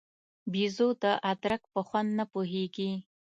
بېزو د ادرک په خوند نه پوهېږي.